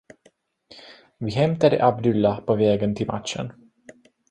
Vi hämtade Abdullah på vägen till matchen.